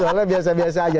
soalnya biasa biasa aja